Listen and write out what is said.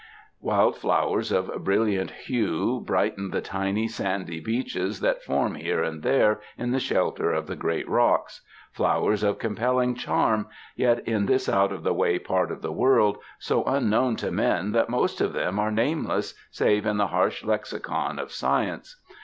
Wild flowers of brillant hue brighten the tiny, sandy beaches that form here and there in the shelter of the great rocks — flowers of compelling charm, yet in this out of the way part of the world so unknown to men that most of them are nameless save in the harsh lexicon of science.